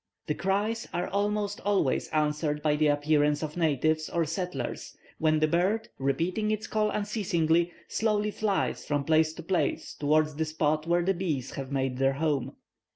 The cries are almost always answered by the appearance of natives or settlers, when the bird, repeating its call unceasingly, slowly flies from place to place towards the spot where the bees have made their home.